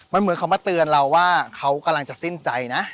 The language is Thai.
มันเหมือนเขามาเตือนเราว่าเขากำลังจะสิ้นใจนะ